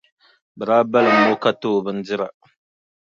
Bɛ daa balim o ka ti o bindira.